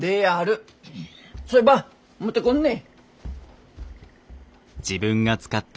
そいば持ってこんね。